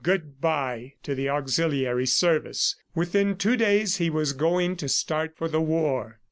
Good bye to the auxiliary service! ... Within two days, he was going to start for the war.